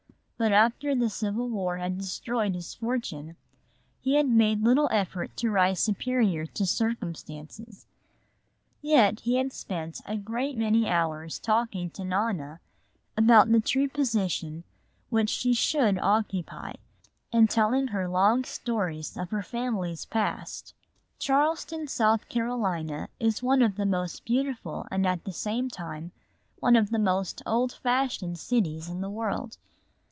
But after the civil war had destroyed his fortune he had made little effort to rise superior to circumstances. Yet he had spent a great many hours talking to Nona about the true position which she should occupy and telling her long stories of her family's past. Charleston, South Carolina, is one of the most beautiful and at the same time one of the most old fashioned cities in the world.